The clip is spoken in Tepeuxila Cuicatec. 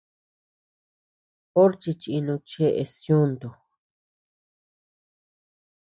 Orchi chinu cheʼes yuntu.